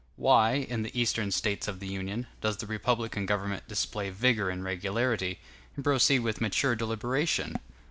Why, in the Eastern States of the Union, does the republican government display vigor and regularity, and proceed with mature deliberation?